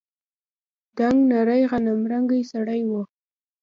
دنګ نرى غنمرنگى سړى و.